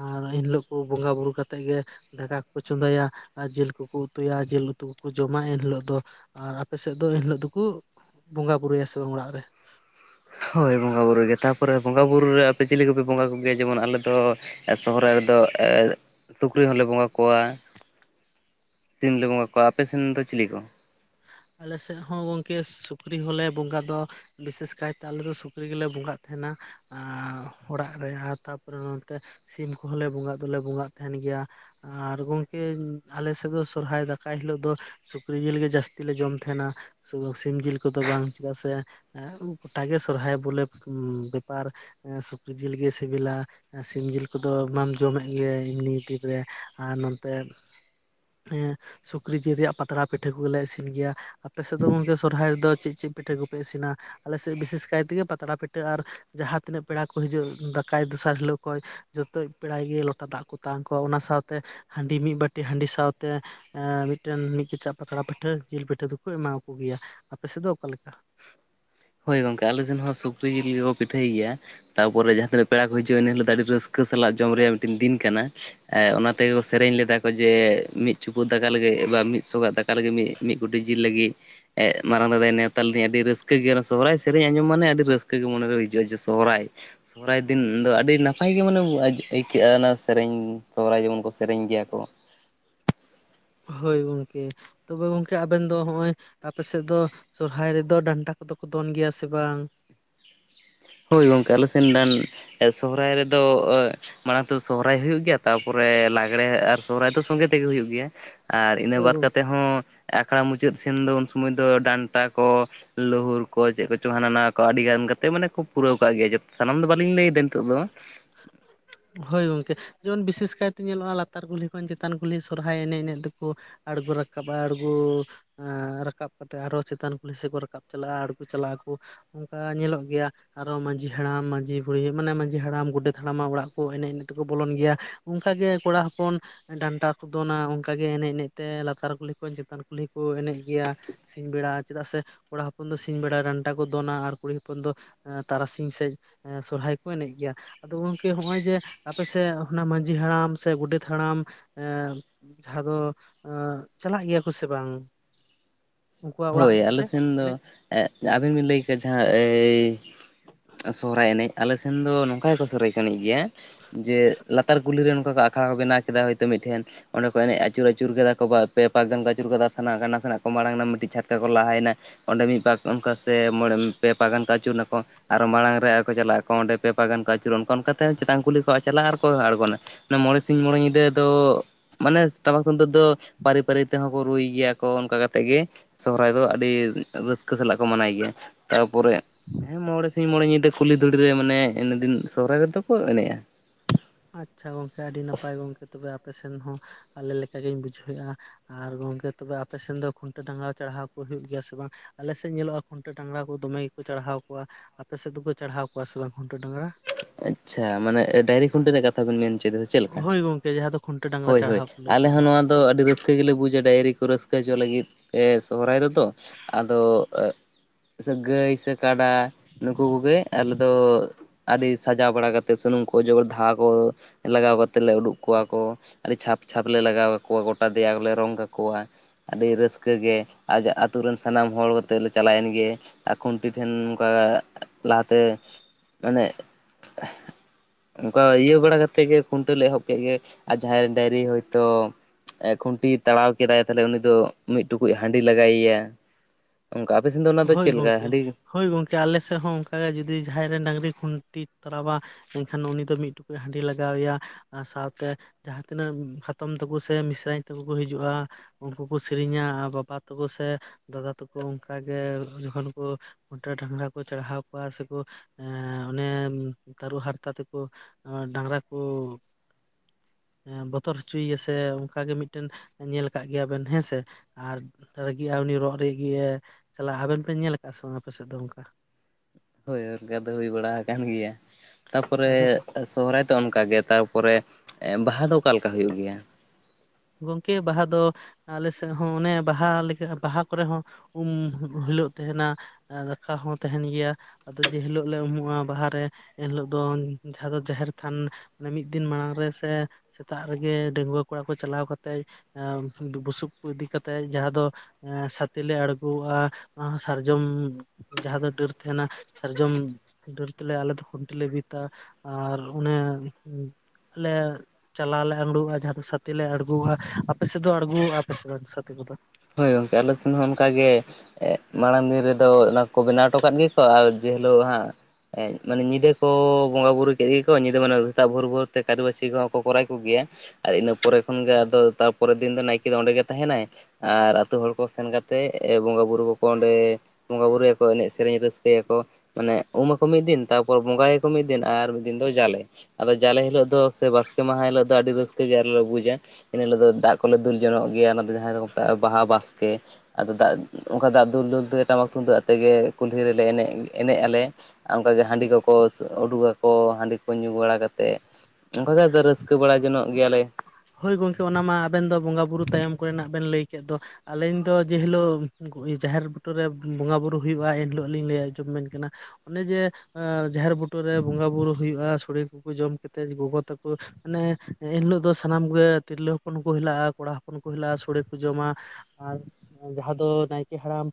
ᱟᱨ ᱮᱱᱦᱤᱞᱳᱜ ᱠᱚ ᱵᱚᱸᱜᱟ ᱵᱩᱨᱩ ᱠᱟᱛᱮᱫ ᱜᱮ ᱫᱟᱠᱟ ᱠᱚᱠᱚ ᱪᱚᱸᱫᱟᱭᱟ ᱟᱨ ᱡᱤᱞ ᱩᱛᱩᱭᱟ ᱡᱤᱞ ᱩᱛᱩ ᱠᱚᱠᱚ ᱡᱚᱢᱟ᱾ ᱮᱱᱦᱤᱞᱳᱜ ᱫᱚ ᱟᱨ ᱟᱯᱮ ᱥᱮᱫ ᱫᱚ ᱮᱱᱦᱤᱞᱳᱜ ᱫᱚᱠᱚ ᱵᱚᱸᱜᱟ ᱵᱩᱨᱩᱭᱟ ᱥᱮ ᱵᱟᱝ ᱚᱲᱟᱜ ᱨᱮ? ᱦᱳᱭ ᱵᱚᱸᱜᱟ ᱵᱩᱨᱩ ᱜᱮ, ᱛᱟᱨᱯᱚᱨᱮ ᱵᱚᱸᱜᱟ ᱵᱩᱨᱩ ᱨᱮ ᱟᱯᱮ ᱪᱤᱞᱤ ᱠᱚᱯᱮ ᱵᱚᱸᱜᱟ ᱠᱚᱜᱮᱭᱟ ᱡᱮᱢᱚᱱ ᱟᱞᱮᱫᱚ ᱥᱚᱦᱨᱟᱭ ᱨᱮᱫᱚ ᱥᱩᱠᱨᱤ ᱦᱚᱸᱞᱮ ᱵᱚᱸᱜᱟ ᱠᱚᱣᱟ᱾ ᱥᱤᱢ ᱞᱮ ᱵᱚᱸᱜᱟ ᱠᱚᱣᱟ᱾ ᱟᱯᱮᱥᱮᱱ ᱫᱚ ᱪᱤᱞᱤ ᱠᱚ? ᱟᱞᱮ ᱥᱮᱜ ᱦᱚᱸ ᱜᱚᱝᱠᱮ ᱥᱩᱠᱨᱤ ᱦᱚᱸᱞᱮ ᱵᱚᱸᱜᱟ ᱫᱚ ᱵᱤᱥᱮᱥ ᱠᱟᱭᱛᱮ ᱟᱞᱮ ᱫᱚ ᱥᱩᱠᱨᱤ ᱜᱮᱞᱮ ᱵᱚᱸᱜᱟᱜ ᱛᱟᱦᱮᱱᱟ᱾ ᱚᱲᱟᱜ ᱨᱮ ᱟᱨ ᱛᱟᱨᱯᱚᱨᱮ ᱱᱚᱱᱛᱮ ᱥᱤᱢ ᱠᱚᱦᱚᱸᱞᱮ ᱵᱚᱸᱜᱟᱜ ᱫᱚᱞᱮ ᱵᱚᱸᱜᱟᱜ ᱛᱟᱦᱮᱱ ᱜᱮᱭᱟ᱾ ᱟᱨ ᱜᱚᱝᱠᱮ ᱟᱞᱮ ᱥᱮᱫ ᱫᱚ ᱥᱚᱨᱦᱟᱭ ᱫᱟᱠᱟᱭ ᱦᱤᱞᱳᱜ ᱫᱚ ᱥᱩᱠᱨᱤ ᱡᱤᱞ ᱜᱮ ᱡᱟᱹᱥ ᱛᱤᱞᱮ ᱡᱚᱢ ᱛᱟᱦᱮᱱᱟ᱾ ᱥᱩᱫᱷᱩ ᱥᱤᱢ ᱡᱤᱞ ᱠᱚᱫᱚ ᱵᱟᱝ, ᱪᱮᱫᱟᱜ ᱥᱮ ᱜᱚᱴᱟᱜᱮ ᱥᱚᱨᱦᱟᱭ ᱵᱚᱞᱮ ᱵᱮᱯᱟᱨ᱾ ᱥᱩᱠᱨᱤ ᱡᱤᱞ ᱜᱮ ᱥᱮᱵᱮᱞᱟ᱾ ᱥᱤᱢ ᱡᱤᱞ ᱠᱚᱫᱚ ᱵᱟᱢ ᱡᱚᱢᱮᱫ ᱜᱮᱭᱟ ᱮᱢᱱᱤ ᱫᱤᱱᱨᱮ ᱟᱨ ᱱᱚᱛᱮ ᱥᱩᱠᱨᱤ ᱡᱤᱞ ᱨᱮᱭᱟᱜ ᱯᱟᱛᱲᱟ ᱯᱤᱴᱷᱟᱹ ᱠᱚᱞᱮ ᱤᱥ ᱤᱥᱤᱱ ᱜᱮᱭᱟ ᱾ ᱟᱯᱮ ᱥᱮᱫ ᱫᱚ ᱜᱚᱢᱠᱮ ᱥᱚᱨᱦᱟᱭ ᱨᱮᱫᱚ ᱪᱮᱫ ᱪᱮᱫ ᱯᱤᱴᱷᱟᱹ ᱠᱚᱯᱮ ᱤᱥᱤᱱᱟ? ᱟᱞᱮ ᱥᱮᱫ ᱵᱤᱥᱮᱥ ᱠᱟᱭ ᱛᱮᱜᱮ ᱯᱟᱛᱲᱟ ᱯᱤᱴᱷᱟᱹ᱾ ᱟᱨ ᱡᱟᱸᱦᱟ ᱛᱤᱱᱟᱹᱜ ᱯᱮᱲᱟ ᱠᱚ ᱦᱤᱡᱩᱜ ᱫᱟᱠᱟᱭ ᱫᱚᱥᱟᱨ ᱦᱤᱞᱳᱜ ᱠᱷᱚᱡ ᱡᱚᱛᱚ ᱯᱮᱲᱟᱭ ᱜᱮ ᱞᱚᱴᱟ ᱫᱟᱜ ᱠᱚ ᱛᱟᱝ ᱠᱚᱣᱟ ᱚᱱᱟ ᱥᱟᱶᱛᱮ ᱦᱟᱺᱰᱤ ᱢᱤᱫ ᱵᱟᱹᱴᱤ ᱦᱟᱺᱰᱤ ᱥᱟᱶᱛᱮ ᱮ ᱢᱤᱫᱴᱮᱱ ᱢᱤᱫ ᱠᱮᱪᱟᱜ ᱯᱟᱛᱲᱟ ᱯᱤᱴᱷᱟᱹ ᱡᱤᱞ ᱯᱤᱴᱷᱟᱹ ᱫᱚᱠᱚ ᱮᱢᱟᱣ ᱠᱚ ᱜᱮᱭᱟ ᱾ ᱟᱯᱮ ᱥᱮᱫ ᱫᱚ ᱚᱠᱟ ᱞᱮᱠᱟ? ᱦᱳᱭ ᱜᱚᱝᱠᱮ ᱾ ᱟᱞᱮ ᱥᱮᱱ ᱦᱚᱸ ᱥᱩᱠᱨᱤ ᱡᱤᱞ ᱜᱮᱠᱚ ᱯᱤᱴᱷᱟᱹᱭ ᱜᱮᱭᱟ ᱾ ᱛᱟᱨᱯᱚᱨᱮ ᱡᱟᱸᱦᱟ ᱛᱤᱱᱟᱹᱜ ᱯᱮᱲᱟ ᱠᱚ ᱦᱤᱡᱩᱜᱼᱟ, ᱮᱱᱹ ᱦᱤᱞᱳᱜ ᱫᱚ ᱟᱹᱰᱤ ᱨᱟᱹᱥᱠᱟᱹ ᱥᱟᱞᱟᱜ ᱡᱚᱢ ᱨᱮᱭᱟᱜ ᱢᱤᱫᱴᱮᱱ ᱫᱤᱱ ᱠᱟᱱᱟ ᱾ ᱮᱜ ᱚᱱᱟ ᱛᱮᱜᱮ ᱥᱮᱨᱮᱧ ᱞᱮᱫᱟ ᱠᱚ ᱡᱮ ᱢᱤᱫ ᱪᱩᱯᱩᱫ ᱫᱟᱠᱟ ᱞᱟᱹᱜᱤᱫ ᱵᱟ ᱢᱤᱫ ᱥᱚᱜᱟᱜ ᱫᱟᱠᱟ ᱞᱟᱹᱜᱤᱫ ᱢᱤᱫ ᱢᱤᱫᱠᱩᱴᱤ ᱡᱤᱞ ᱞᱟᱹᱜᱤᱫ ᱢᱟᱨᱟᱝ ᱫᱟᱫᱟᱭ ᱱᱮᱣᱛᱟ ᱞᱮᱫᱤᱧᱼᱟ, ᱟᱹᱰᱤ ᱨᱟᱹᱥᱠᱟᱹ ᱜᱮ ᱥᱚᱨᱦᱟᱭ ᱥᱮᱨᱮᱧ ᱟᱸᱡᱚᱢ ᱢᱟᱱᱮ ᱟᱹᱰᱤ ᱨᱟᱹᱥᱠᱟᱹ ᱜᱮ ᱢᱚᱱᱮᱨᱮ ᱦᱤᱡᱩᱜᱼᱟ ᱡᱮ ᱥᱚᱨᱦᱟᱭ ᱥᱚᱨᱦᱟᱭ ᱫᱤᱱ ᱫᱚ ᱟᱹᱰᱤ ᱱᱟᱯᱟᱭ ᱜᱮ ᱢᱟᱱᱮ ᱟᱹᱭᱠᱟᱹᱜᱼᱟ ᱚᱱᱟ ᱥᱮᱨᱮᱧ ᱥᱚᱨᱦᱟᱭ ᱡᱮᱢᱚᱱ ᱠᱚ ᱥᱮᱨᱮᱧ ᱜᱮᱭᱟ ᱠᱚ ᱦᱳᱭ ᱜᱚᱝᱠᱮ ᱛᱚᱵᱮ ᱜᱚᱝᱠᱮ ᱟᱵᱮᱱ ᱫᱚ ᱦᱚᱜᱼᱚᱭ, ᱟᱯᱮ ᱥᱮᱫ ᱫᱚ ᱥᱚᱨᱦᱟᱭ ᱨᱮᱫᱚ ᱰᱟᱱᱴᱟ ᱠᱚᱫᱚ ᱠᱚ ᱫᱚᱱ ᱜᱮᱭᱟ ᱥᱮ ᱵᱟᱝ? ᱦᱳᱭ ᱜᱚᱝᱠᱮ ᱟᱞᱮ ᱥᱮᱱ ᱥᱚᱦᱨᱟᱭ ᱨᱮᱫᱚ ᱮᱸᱜ, ᱢᱟᱲᱟᱝ ᱛᱮ ᱥᱚᱦᱨᱟᱭ ᱦᱩᱭᱩᱜ ᱜᱮᱭᱟ ᱾ ᱛᱟᱨᱯᱚᱨᱮ ᱞᱟᱜᱽᱲᱮ ᱟᱨ ᱥᱚᱦᱨᱟᱭ ᱫᱚ ᱥᱚᱸᱜᱮ ᱛᱮᱜᱮ ᱦᱩᱭᱩᱜ ᱜᱮᱭᱟ ᱾ ᱟᱨ ᱤᱱᱟᱹ ᱦᱳᱭ ᱵᱟᱫ ᱜᱚᱝᱠᱮ ᱠᱟᱛᱮᱫ ᱦᱚᱸ ᱟᱠᱷᱲᱟ ᱢᱩᱪᱟᱹᱫᱽ ᱥᱮᱱ ᱫᱚ ᱩᱱ ᱥᱚᱢᱚᱭ ᱫᱚ ᱰᱟᱱᱴᱟ ᱠᱚ, ᱞᱩᱦᱩᱨ ᱠᱚ ᱪᱮᱫ ᱠᱚᱪᱚᱝ ᱦᱟᱱᱟ ᱱᱟᱣᱟ ᱠᱚ ᱟᱹᱰᱤ ᱜᱟᱱ ᱠᱟᱛᱮᱫ ᱢᱟᱱᱮ ᱠᱷᱩ ᱯᱩᱨᱟᱹᱣ ᱠᱟᱜ ᱜᱮᱭᱟ ᱾ ᱥᱟᱱᱟᱢ ᱫᱚ ᱵᱟᱹᱞᱤᱧ ᱞᱟᱹᱭ ᱫᱟ ᱱᱤᱛᱚᱜ ᱫᱚ, [inaudible] ᱦᱳᱭ ᱜᱚᱝᱠᱮ᱾ ᱡᱮᱢᱚᱱ ᱵᱤᱥᱮᱥ ᱠᱟᱭᱛᱮ ᱧᱮᱞᱚᱜᱼᱟ ᱞᱟᱛᱟᱨ ᱠᱩᱞᱦᱤ ᱠᱷᱚᱱ ᱪᱮᱛᱟᱱ ᱠᱩᱞᱦᱤ ᱥᱚᱨᱦᱟᱭ ᱮᱱᱮᱡ ᱮᱱᱮᱡ ᱛᱮᱠᱚ ᱟᱲᱜᱳ ᱨᱟᱠᱟᱵᱟ ᱟᱲᱜᱩ ᱨᱟᱠᱟᱵ ᱠᱟᱛᱮᱫ ᱟᱨᱚ ᱪᱮᱛᱟᱱ ᱠᱩᱞᱦᱤ ᱥᱮᱫ ᱠᱚ ᱨᱟᱠᱟᱵ ᱪᱟᱞᱟᱜᱼᱟ ᱟᱬᱜᱚ ᱪᱟᱞᱟᱜᱼᱟ ᱠᱚ ᱚᱱᱠᱟ ᱧᱮᱞᱚᱜ ᱜᱮᱭᱟ ᱟᱨᱚ ᱢᱟᱺᱡᱷᱤ ᱦᱟᱲᱟᱢ ᱢᱟᱺᱡᱷᱤ ᱵᱩᱲᱦᱤ ᱢᱟᱱᱮ ᱢᱟᱺᱡᱷᱤ ᱦᱟᱲᱟᱢ ᱜᱚᱰᱮᱛ ᱦᱟᱲᱟᱢᱟᱜ ᱚᱲᱟᱜ ᱠᱚ ᱮᱱᱮᱡ ᱮᱱᱮᱡ ᱛᱮᱠᱚ ᱵᱚᱞᱚᱱ ᱜᱮᱭᱟ ᱚᱱᱠᱟᱜ ᱜᱮ ᱠᱚᱲᱟ ᱦᱚᱯᱚᱱ ᱰᱟᱱᱴᱟ ᱠᱚ ᱫᱚᱱᱟ ᱚᱱᱠᱟᱜᱮ ᱮᱱᱮᱡ ᱮᱱᱮᱡ ᱛᱮ ᱞᱟᱛᱟᱨ ᱠᱩᱞᱦᱤ ᱠᱷᱚᱱ ᱪᱮᱛᱟᱱ ᱠᱩᱞᱦᱤ ᱠᱚ ᱮᱱᱮᱡ ᱜᱮᱭᱟ ᱥᱤᱧ ᱵᱮᱲᱟ ᱪᱮᱫᱟᱜ ᱥᱮ ᱠᱚᱲᱟ ᱦᱚᱯᱚᱱ ᱫᱚ ᱥᱤᱧ ᱵᱮᱲᱟ ᱰᱟᱱᱴᱟ ᱠᱚ ᱫᱚᱱᱟ ᱟᱨ ᱠᱩᱲᱤ ᱦᱚᱯᱚᱱ ᱫᱚ ᱛᱟᱨᱟᱥᱤᱧ ᱥᱮᱫ ᱥᱚᱨᱦᱟᱭ ᱠᱚ ᱮᱱᱮᱡ ᱜᱮᱭᱟ ᱟᱫᱚ ᱜᱚᱢᱠᱮ ᱱᱚᱜᱼᱚᱭ ᱡᱮ ᱟᱯᱮ ᱥᱮᱫ ᱢᱟᱺᱡᱷᱤ ᱦᱟᱲᱟᱢ ᱥᱮ ᱜᱚᱰᱮᱛ ᱦᱟᱲᱟᱢ ᱮ ᱡᱟᱦᱟᱸ ᱫᱚ ᱪᱟᱞᱟᱜ ᱜᱮᱭᱟ ᱠᱚ ᱥᱮ ᱵᱟᱝ? ᱩᱱᱠᱩᱣᱟᱜ ᱚᱲᱟᱜ ᱦᱳᱭ ᱛᱮ ᱟᱞᱮ ᱥᱮᱱ ᱮᱱᱮᱡ? ᱫᱚ ᱟᱵᱤᱱ ᱵᱤᱱ ᱞᱟᱹᱭ ᱠᱟᱜᱼᱟ ᱡᱟᱦᱟᱸ ᱮ ᱥᱚᱦᱨᱟᱭ ᱮᱱᱮᱡ ᱟᱞᱮ ᱥᱮᱱ ᱫᱚ ᱱᱚᱝᱠᱟ ᱜᱮᱠᱚ ᱥᱚᱨᱦᱟᱭ ᱮᱱᱮᱡ ᱜᱮᱭᱟ ᱡᱮ ᱞᱟᱛᱟᱨ ᱠᱩᱞᱦᱤ ᱨᱮ ᱚᱱᱠᱟ ᱠᱚ ᱟᱠᱷᱲᱟ ᱠᱚ ᱵᱮᱱᱟᱣ ᱠᱮᱫᱟ ᱦᱳᱭᱛᱳ ᱢᱤᱫᱴᱷᱮᱱ ᱚᱸᱰᱮ ᱠᱚ ᱮᱱᱮᱡ ᱟᱹᱪᱩᱨ ᱟᱹᱪᱩᱨ ᱠᱮᱫᱟ ᱠᱚ ᱯᱮ ᱯᱟᱠ ᱜᱟᱱ ᱠᱚ ᱟᱹᱪᱩᱨ ᱠᱮᱫᱟ ᱠᱟᱱᱟᱱᱟᱜ ᱠᱚ ᱢᱟᱲᱟᱝ ᱢᱤᱫᱴᱤᱡ ᱪᱷᱟᱼᱼ ᱠᱚ ᱞᱟᱦᱟᱭ ᱮᱱᱟ ᱚᱸᱰᱮ ᱢᱤᱫ ᱯᱟᱜᱽ ᱚᱱᱠᱟ ᱥᱮ ᱢᱚᱬᱮ ᱯᱮ ᱯᱟᱜ ᱜᱟᱱᱠᱟ ᱟᱹᱪᱩᱨ ᱱᱟᱠᱚ ᱟᱨᱚ ᱢᱟᱲᱟᱝ ᱨᱮ ᱟᱨᱚ ᱠᱚ ᱪᱟᱞᱟᱜ ᱟᱠᱚ ᱚᱸᱰᱮ ᱯᱮ ᱯᱟᱠ ᱜᱟᱱ ᱠᱚ ᱟᱹᱪᱩᱨᱚᱜ ᱚᱱᱠᱟ ᱚᱱᱠᱟᱛᱮ ᱪᱮᱛᱟᱱ ᱠᱩᱞᱤ ᱠᱚᱜᱼᱟ ᱪᱟᱞᱟᱜ ᱟᱨᱠᱚ ᱟᱬᱜᱚᱱᱟ᱾ ᱢᱚᱬᱮ ᱥᱤᱧ ᱢᱚᱬᱮ ᱧᱤᱫᱟᱹ ᱫᱚ ᱢᱟᱱᱮ ᱴᱟᱢᱟᱠ ᱛᱩᱢᱫᱟᱹ ᱫᱚ ᱯᱟᱹᱨᱤ ᱯᱟᱹᱨᱤ ᱛᱮᱦᱚᱸ ᱠᱚ ᱨᱩᱭ ᱜᱮᱭᱟ ᱠᱚ ᱚᱱᱠᱟ ᱠᱟᱛᱮᱜ ᱜᱮ ᱥᱚᱦᱨᱟᱭ ᱫᱚ ᱟᱹᱰᱤ ᱨᱟᱹᱥᱠᱟᱹ ᱥᱟᱞᱟᱜ ᱠᱚ ᱢᱟᱱᱟᱣ ᱜᱮᱭᱟ ᱛᱟᱨᱯᱚᱨᱮ ᱦᱮᱸ ᱢᱚᱬᱮ ᱥᱤᱧ ᱢᱚᱬᱮ ᱧᱤᱫᱟᱹ ᱠᱩᱞᱦᱤ ᱫᱷᱩᱲᱤ ᱨᱮ ᱢᱟᱱᱮ ᱤᱱᱟᱹᱫᱤᱱ ᱥᱚᱦᱚᱨᱟᱭ ᱨᱮᱫᱚ ᱠᱚ ᱮᱱᱮᱡᱼᱟ ᱟᱪᱪᱷᱟ ᱜᱚᱝᱠᱮ ᱟᱹᱰᱤ ᱱᱟᱯᱟᱭ ᱜᱚᱝᱠᱮ ᱛᱚᱵᱮ ᱟᱯᱮ ᱥᱮᱱ ᱦᱚᱸ ᱟᱞᱮ ᱞᱮᱠᱟ ᱜᱤᱧ ᱵᱩᱡᱷᱟᱹᱣ ᱮᱫᱼᱟ᱾ ᱟᱨ ᱜᱚᱝᱠᱮ ᱛᱚᱵᱮ ᱟᱯᱮ ᱥᱮᱱ ᱫᱚ ᱠᱷᱩᱱᱴᱟᱹ ᱰᱟᱝᱨᱟ ᱪᱟᱲᱦᱟᱣ ᱠᱚ ᱦᱩᱭᱩᱜ ᱜᱮᱭᱟ ᱥᱮ ᱵᱟᱝ? ᱟᱞᱮ ᱥᱮᱫ ᱧᱮᱞᱚᱜᱼᱟ ᱠᱷᱩᱱᱴᱟᱹ ᱰᱟᱝᱨᱟ ᱠᱚ ᱫᱚᱢᱮ ᱜᱮᱠᱚ ᱪᱟᱲᱦᱟᱣ ᱠᱚᱣᱟ ᱟᱯᱮ ᱥᱮᱫ ᱫᱚᱠᱚ ᱪᱟᱲᱦᱟᱣ ᱠᱚᱣᱟ ᱥᱮ ᱵᱟᱝ ᱠᱷᱩᱱᱴᱟᱹ ᱰᱟᱝᱨᱟ? ᱟᱪᱪᱷᱟ ᱢᱟᱱᱮ ᱰᱟᱝᱨᱤ ᱠᱷᱩᱱᱴᱟᱹᱣ ᱨᱮᱱᱟᱜ ᱵᱮᱱ ᱢᱮᱱ ᱦᱚᱪᱚᱭᱮᱫᱟ ᱪᱮᱫ ᱞᱮᱠᱟ? ᱦᱳᱭ ᱜᱚᱝᱠᱮ ᱡᱟᱦᱟᱸ ᱫᱚ ᱠᱷᱩᱱᱴᱟᱹ ᱰᱟᱸᱜᱽᱨᱟ ᱦᱩᱭ ᱦᱩᱭ ᱪᱟᱲᱦᱟᱣ ᱠᱚ ᱞᱟᱹᱭ ᱟᱞᱮ ᱜᱮᱫᱚ᱾ ᱦᱚᱸ ᱱᱚᱣᱟ ᱫᱚ ᱟᱹᱰᱤ ᱨᱟᱹᱥᱠᱟᱹ ᱜᱮᱞᱮ ᱵᱩᱡᱟ ᱰᱟᱝᱨᱤ ᱠᱚ ᱨᱟᱹᱥᱠᱟᱹ ᱦᱚᱪᱚ ᱞᱟᱹᱜᱤᱫ ᱥᱚᱨᱦᱟᱭ ᱨᱮᱫᱚ ᱛᱚ ᱟᱫᱚ ᱥᱮ ᱜᱟᱹᱭ ᱥᱮ ᱠᱟᱰᱟ ᱱᱩᱠᱩ ᱠᱚᱜᱮ ᱟᱞᱮ ᱫᱚ ᱟᱹᱰᱤ ᱥᱟᱡᱟᱣ ᱵᱟᱲᱟ ᱠᱟᱛᱮᱫ ᱥᱩᱱᱩᱢ ᱠᱚ ᱚᱡᱚᱜ ᱫᱷᱟ ᱠᱚ ᱞᱟᱜᱟᱣ ᱠᱟᱛᱮᱫ ᱞᱮ ᱩᱰᱩᱠ ᱠᱚᱣᱟ ᱠᱚ ᱟᱹᱰᱤ ᱪᱷᱟᱯ ᱪᱷᱟᱯ ᱞᱮ ᱞᱟᱜᱟᱣ ᱠᱟᱠᱚᱣᱟ ᱜᱳᱴᱟ ᱫᱮᱭᱟ ᱠᱚᱞᱮ ᱨᱚᱝ ᱠᱟᱠᱚᱣ-ᱟ᱾ ᱟᱹᱰᱤ ᱨᱟᱹᱥᱠᱟᱹ ᱜᱮ ᱟᱡ ᱟᱛᱳ ᱨᱮᱱ ᱥᱟᱱᱟᱢ ᱦᱚᱲ ᱟᱛᱮᱫ ᱞᱮ ᱪᱟᱞᱟᱣ ᱮᱱ ᱜᱮ ᱟᱨ ᱠᱷᱩᱱᱴᱤ ᱴᱷᱮᱱ ᱱᱚᱝᱠᱟ ᱞᱟᱦᱟᱛᱮ ᱢᱟᱱᱮ ᱚᱱᱠᱟ ᱤᱭᱟᱹ ᱵᱟᱲᱟ ᱠᱟᱛᱮᱫ ᱜᱮ ᱠᱷᱩᱱᱴᱟᱹᱣ ᱞᱮ ᱮᱦᱚᱵ ᱠᱮᱫ ᱜᱮ ᱟᱨ ᱡᱟᱦᱟᱸᱭ ᱰᱟᱝᱨᱤ ᱦᱳᱭᱛᱳ ᱠᱷᱩᱱᱴᱤ ᱛᱟᱲᱟᱣ ᱠᱮᱫᱟᱭ ᱛᱟᱦᱚᱞᱮ ᱩᱱᱤ ᱫᱚ ᱢᱤᱫ ᱴᱩᱠᱩᱡ ᱦᱟᱺᱰᱤ ᱞᱟᱜᱟᱭᱮᱭᱟ ᱚᱱᱠᱟ ᱟᱯᱮ ᱥᱮᱱ ᱫᱚ ᱚᱱᱟ ᱫᱚ ᱦᱳᱭ ᱪᱮᱫ ᱞᱮᱠᱟ ᱜᱚᱝᱠᱮ ᱦᱟᱸᱰᱤ? ᱦᱳᱭ ᱜᱚᱝᱠᱮ ᱟᱞᱮ ᱥᱮᱫ ᱦᱚᱸ ᱚᱱᱠᱟ ᱜᱮ ᱡᱩᱫᱤ ᱡᱟᱦᱟᱸᱭ ᱨᱮ ᱰᱟᱝᱨᱤ ᱠᱷᱩᱱᱴᱤ ᱛᱚᱨᱟ ᱵᱟ ᱮᱱᱠᱷᱟᱱ ᱩᱱᱤ ᱫᱚ ᱢᱤᱫ ᱴᱩᱠᱩᱡ ᱦᱟᱺᱰᱤ ᱞᱟᱜᱟᱣᱮᱭᱟ ᱟᱨ ᱥᱟᱶᱛᱮ ᱡᱟᱦᱟᱸ ᱛᱤᱱᱟᱹᱜ ᱦᱟᱛᱚᱢ ᱛᱟᱠᱚ ᱥᱮ ᱢᱤᱥᱨᱟᱧ ᱛᱟᱠᱚ ᱠᱚ ᱦᱤᱡᱩᱜᱼᱟ ᱩᱱᱠᱩ ᱠᱚ ᱥᱮᱨᱮᱧᱟ ᱵᱟᱵᱟ ᱛᱟᱠᱚ ᱥᱮ ᱫᱟᱫᱟ ᱛᱟᱠᱚ ᱚᱱᱠᱟ ᱜᱮ ᱡᱚᱠᱷᱚᱱ ᱠᱚ ᱠᱷᱩᱱᱴᱟᱹᱣ ᱰᱟᱝᱨᱟ ᱠᱚ ᱪᱟᱲᱦᱟᱣ ᱠᱚᱣᱟ ᱥᱮᱠᱚ ᱮ ᱚᱱᱮ ᱛᱟᱹᱨᱩᱵ ᱦᱟᱨᱛᱟ ᱛᱮᱠᱚ ᱰᱟᱝᱨᱟ ᱠᱚ ᱵᱚᱛᱚᱨ ᱦᱚᱪᱚᱭᱮᱭᱟ ᱥᱮ ᱚᱱᱠᱟᱜ ᱜᱮ ᱢᱤᱫᱴᱮᱱ ᱧᱮᱞ ᱠᱟᱜ ᱜᱮᱭᱟ ᱵᱮᱱ ᱦᱮᱸᱥᱮ ᱟᱨ ᱨᱟᱹᱜᱤᱜᱼᱟ ᱩᱱᱤ ᱨᱚᱜ ᱞᱟᱹᱜᱤᱫ ᱜᱮ ᱪᱟᱞᱟᱜᱼᱟ ᱟᱵᱮᱱ ᱵᱮᱱ ᱧᱮᱞ ᱟᱠᱟᱫᱼᱟ ᱥᱮ ᱵᱟᱝ ᱟᱯᱮ ᱥᱮᱫ ᱫᱚ ᱚᱱᱠᱟ ᱦᱳᱭ ᱚᱱᱠᱟ ᱫᱚ ᱦᱩᱭ ᱵᱟᱲᱟ ᱟᱠᱟᱱ ᱜᱮᱭᱟ ᱛᱟᱯᱚᱨᱮ ᱟᱫᱚ ᱥᱚᱦᱚᱨᱟᱭ ᱫᱚ ᱚᱱᱠᱟᱜᱮ ᱛᱟᱨᱯᱚᱨᱮ ᱵᱟᱦᱟ ᱫᱚ ᱚᱠᱟᱞᱮᱠᱟ ᱦᱩᱭᱩᱜ ᱜᱮᱭᱟ ᱜᱚᱢᱠᱮ ᱵᱟᱦᱟ ᱫᱚ ᱟᱞᱮ ᱥᱮᱫ ᱦᱚᱸ ᱚᱱᱮ ᱵᱟᱦᱟ ᱞᱮᱠᱟ ᱵᱟᱦᱟ ᱠᱚᱨᱮ ᱦᱚᱸ ᱩᱢ ᱦᱤᱞᱟᱹᱜ ᱛᱟᱦᱮᱱᱟ ᱫᱟᱠᱟ ᱦᱚᱸ ᱛᱟᱦᱮᱱ ᱜᱮᱭᱟ ᱟᱫᱚ ᱡᱮᱦᱤᱞᱳᱜ ᱞᱮ ᱩᱢᱩᱜᱼᱟ ᱵᱟᱦᱟᱨᱮ ᱮᱱᱦᱤᱞᱳᱜ ᱫᱚ ᱡᱟᱦᱟᱸ ᱫᱚ ᱡᱟᱦᱮᱨ ᱛᱷᱟᱱ ᱢᱤᱫ ᱫᱤᱱ ᱢᱟᱲᱟᱝ ᱨᱮ ᱥᱮ ᱥᱮᱛᱟᱜ ᱨᱮᱜᱮ ᱰᱟᱺᱣᱟᱹ ᱠᱚᱲᱟ ᱠᱚ ᱠᱚ ᱪᱟᱞᱟᱣ ᱠᱟᱛᱮᱜ ᱵᱩᱥᱩᱵ ᱠᱚ ᱤᱫᱤ ᱠᱟᱛᱮᱜ ᱡᱟᱦᱟᱸ ᱫᱚ ᱥᱟᱛᱮ ᱞᱮ ᱟᱬᱜᱚᱜᱼᱟ ᱚᱱᱟ ᱦᱚᱸ ᱥᱟᱨᱡᱚᱢ ᱡᱟᱦᱟᱸ ᱫᱚ ᱰᱟᱹᱨ ᱛᱟᱦᱮᱱᱟ ᱥᱟᱨᱡᱚᱢ ᱰᱟᱹᱨ ᱛᱮᱞᱮ ᱟᱞᱮ ᱫᱚ ᱠᱷᱩᱱᱴᱤ ᱞᱮ ᱵᱤᱫᱟ ᱾ ᱟᱨ ᱚᱱᱮ ᱟᱞᱮ ᱪᱟᱞᱟᱣ ᱞᱮ ᱟᱳᱰᱚᱜᱼᱟ [unintelligible] ᱡᱟᱦᱟᱸ ᱫᱚ ᱛᱮᱞᱮ ᱟᱬᱜᱚᱼᱟ ᱟᱯᱮ ᱥᱮᱫ ᱫᱚ ᱟᱬᱜᱚᱜᱼᱟ ᱟᱯᱮᱥᱮᱫ ᱥᱟᱛᱮ ᱠᱚᱫᱚ ᱦᱳᱭ ᱜᱚᱝᱠᱮ ᱟᱞᱮ ᱥᱮᱱ ᱦᱚᱸ ᱚᱱᱠᱟᱜᱮ ᱢᱟᱲᱟᱝ ᱫᱤᱱ ᱨᱮᱫᱚ ᱚᱱᱟ ᱠᱚ ᱵᱮᱱᱟᱣ ᱦᱚᱴᱚ ᱠᱟᱜ ᱜᱮᱠᱚ ᱟᱨ ᱡᱮ ᱦᱤᱞᱳᱜ ᱦᱟᱸᱜ ᱢᱟᱱᱮ ᱧᱤᱫᱟᱹ ᱠᱚ ᱵᱚᱸᱜᱟᱼ ᱵᱩᱨᱩ ᱠᱮᱜ ᱜᱮᱠᱚ ᱧᱤᱫᱟᱹ ᱢᱟᱱᱮ ᱥᱮᱛᱟᱜ ᱵᱷᱳᱨ ᱵᱷᱳᱨ ᱛᱮ ᱠᱟᱹᱨᱤᱵᱟᱹᱪᱷᱤ ᱠᱚᱦᱚᱸ ᱠᱚ ᱠᱚᱨᱟᱣ ᱠᱚᱜᱮᱭᱟ ᱟᱨ ᱤᱱᱟᱹ ᱯᱚᱨᱮ ᱠᱷᱚᱱᱜᱮ ᱟᱫᱚ ᱛᱟᱨᱯᱚᱨᱮᱨ ᱫᱤᱱ ᱫᱚ ᱱᱟᱭᱠᱮ ᱫᱚ ᱚᱸᱰᱮ ᱜᱮ ᱛᱟᱦᱮᱱᱟᱭ ᱟᱨ ᱟᱹᱛᱳ ᱦᱚᱲ ᱠᱚ ᱥᱮᱱ ᱠᱟᱛᱮᱫ ᱵᱚᱸᱜᱟ ᱵᱩᱨᱩ ᱠᱚᱠᱚ ᱚᱸᱰᱮ ᱵᱚᱸᱜᱟ ᱵᱩᱨᱩᱭᱟᱠᱚ ᱮᱱᱮᱡ ᱥᱮᱨᱮᱧ ᱨᱟᱹᱥᱠᱟᱹᱭᱟᱠᱚ ᱢᱟᱱᱮ ᱩᱢ ᱟᱠᱚ ᱢᱤᱫ ᱫᱤᱱ ᱛᱟᱨᱯᱚᱨ ᱵᱚᱸᱜᱟᱭᱟᱠᱚ ᱢᱤᱫ ᱫᱤᱱ ᱟᱨ ᱢᱤᱫ ᱫᱤᱱ ᱫᱚ ᱡᱟᱞᱮ ᱟᱫᱚ ᱡᱟᱞᱮ ᱦᱤᱞᱟᱹᱜ ᱫᱚ ᱥᱮ ᱵᱟᱥᱠᱮ ᱢᱟᱦᱟ ᱦᱤᱞᱟᱹᱜ ᱫᱚ ᱟᱹᱰᱤ ᱨᱟᱹᱥᱠᱟᱹ ᱜᱮ ᱟᱞᱮ ᱞᱮ ᱵᱩᱡᱟ ᱤᱱᱟᱹ ᱦᱤᱞᱟᱹᱜ ᱫᱚ ᱫᱟᱜ ᱠᱚᱞᱮ ᱫᱩᱞ ᱡᱚᱱᱚᱜ ᱜᱮᱭᱟ ᱚᱱᱟ ᱡᱟᱦᱟᱸᱭ ᱫᱚᱠᱚ ᱢᱮᱛᱟᱜᱼᱟ ᱵᱟᱦᱟ ᱵᱟᱥᱠᱮ ᱾ ᱟᱫᱚ ᱫᱟᱜ ᱚᱱᱠᱟ ᱫᱟᱜ ᱫᱩᱞᱼ ᱫᱩᱞ ᱛᱮ ᱴᱟᱢᱟᱠ ᱛᱩᱢᱫᱟᱜ ᱟᱛᱮᱜ ᱜᱮ ᱠᱩᱞᱦᱤ ᱨᱮᱞᱮ ᱮᱱᱮᱡ ᱮᱱᱮᱡ ᱟᱞᱮ ᱚᱱᱠᱟᱜᱮ ᱦᱟᱺᱰᱤ ᱠᱚᱠᱚ ᱩᱰᱩᱠᱟ ᱟᱠᱚ ᱦᱟᱺᱰᱤ ᱠᱚ ᱧᱩ ᱵᱟᱲᱟ ᱠᱟᱛᱮᱫ ᱚᱱᱠᱟᱜᱮ ᱟᱫᱚ ᱨᱟᱹᱥᱠᱟᱹ ᱵᱟᱲᱟ ᱡᱚᱱᱚᱜ ᱜᱮᱭᱟᱞᱮ ᱦᱳᱭ ᱜᱚᱢᱠᱮ ᱚᱱᱟ ᱢᱟ ᱟᱵᱮᱱ ᱫᱚ ᱵᱚᱸᱜᱟ ᱵᱩᱨᱩ ᱛᱟᱭᱚᱢ ᱠᱚᱨᱮᱱᱟᱜ ᱵᱮᱱ ᱞᱟᱹᱭ ᱠᱮᱫ ᱫᱚ ᱟᱹᱞᱤᱧ ᱫᱚ ᱡᱮᱦᱤᱞᱟᱹᱜ ᱡᱟᱦᱮᱨ ᱵᱩᱴᱩᱨᱮ ᱵᱚᱸᱜᱟ ᱵᱩᱨᱩ ᱦᱩᱭᱩᱜᱼᱟ ᱮᱱᱦᱤᱞᱟᱻᱜ ᱞᱤᱧ ᱞᱟᱹᱭ ᱟᱸᱡᱚᱢ ᱵᱤᱱ ᱠᱟᱱᱟ ᱾ ᱚᱱᱮ ᱡᱮ ᱡᱟᱦᱮᱨ ᱵᱩᱴᱟᱹᱨᱮ ᱵᱚᱸᱜᱟ ᱵᱩᱨᱩ ᱦᱩᱭᱩᱜᱼᱟ ᱥᱳᱲᱮ ᱠᱚᱠᱚ ᱡᱚᱢ ᱠᱟᱛᱮᱜ ᱜᱚᱜᱚ ᱛᱟᱠᱚ ᱢᱟᱱᱮ ᱮᱱᱦᱤᱞᱟᱹᱜ ᱫᱚ ᱥᱟᱱᱟᱢ ᱜᱮ ᱛᱤᱨᱞᱟᱹ ᱦᱚᱯᱚᱱ ᱠᱚ ᱦᱮᱞᱟᱜ-ᱟ ᱠᱚᱲᱟ ᱦᱚᱯᱚᱱ ᱠᱚ ᱦᱮᱞᱟᱜ-ᱟ ᱥᱳᱲᱮ ᱠᱚ ᱡᱚᱢᱟ ᱟᱨ ᱡᱟᱦᱟᱸ ᱫᱚ ᱱᱟᱭᱠᱮ ᱦᱟᱲᱟᱢ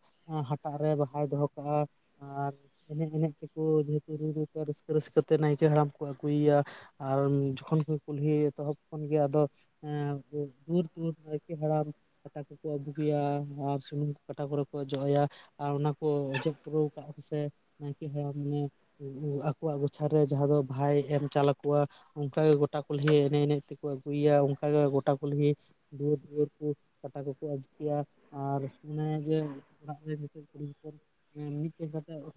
ᱦᱟᱴᱟᱜ ᱨᱮ ᱵᱟᱦᱟᱭ ᱫᱚᱦᱚ ᱠᱟᱜᱼᱟ ᱾ ᱟᱨ ᱮᱱᱮᱡ ᱮᱱᱮᱡ ᱛᱮᱠᱚ ᱡᱮᱦᱮᱛᱩ ᱨᱩ ᱨᱩᱛᱮ ᱨᱟᱹᱥᱠᱟᱹ ᱨᱟᱹᱥᱠᱟᱹ ᱛᱮ ᱱᱟᱭᱠᱮ ᱦᱟᱲᱟᱢ ᱠᱚ ᱟᱹᱜᱩᱭᱟ ᱾ ᱟᱨ ᱡᱚᱠᱷᱚᱱ ᱠᱚ ᱠᱩᱞᱦᱤ ᱮᱛᱚᱦᱚᱵ ᱾ ᱠᱷᱚᱱ ᱜᱮ ᱟᱫᱚ ᱮ ᱫᱩᱨ ᱫᱩᱨ ᱱᱟᱭᱠᱮ ᱦᱟᱲᱟᱢ ᱾ ᱠᱟᱴᱟ ᱠᱚᱠᱚ ᱟᱹᱵᱩᱠᱮᱭᱟ ᱟᱨ ᱥᱩᱱᱩᱢ ᱠᱚ ᱠᱟᱴᱟ ᱠᱚᱨᱮ ᱠᱚ ᱚᱡᱚᱜ ᱟᱭᱟ ᱾ ᱟᱨ ᱚᱱᱟ ᱠᱚ ᱚᱡᱚᱜ ᱯᱩᱨᱟᱹᱣ ᱠᱟᱜ ᱥᱮ ᱱᱟᱭᱠᱮ ᱦᱟᱲᱟᱢ ᱢᱟᱱᱮ ᱟᱠᱚᱣᱟᱜ ᱜᱚᱪᱷᱟᱨᱮ ᱨᱮ ᱡᱟᱦᱟᱸ ᱫᱚ ᱵᱷᱟᱭ ᱮᱢ ᱪᱟᱞ ᱟᱠᱚᱣᱟ ᱚᱱᱠᱟᱜ ᱜᱮ ᱜᱚᱴᱟ ᱠᱩᱞᱦᱤ ᱮᱱᱮᱡ ᱮᱱᱮᱡ ᱛᱮᱠᱚ ᱟᱹᱜᱩᱭᱭᱟ ᱚᱱᱠᱟᱜᱮ ᱜᱚᱴᱟ ᱠᱩᱞᱦᱤ ᱫᱩᱣᱟᱹᱨ ᱫᱩᱣᱟᱹᱨ ᱠᱚ ᱠᱟᱴᱟ ᱠᱚᱠᱚ ᱟᱹᱵᱩ ᱠᱮᱭᱟ ᱟᱨ ᱚᱱᱮ ᱡᱮ ᱚᱲᱟᱜ ᱨᱮ ᱡᱷᱚᱛᱚ ᱠᱩᱲᱤ ᱦᱚᱯ ᱢᱤᱫᱴᱮᱱ ᱠᱟᱛᱮ